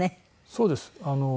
そうです。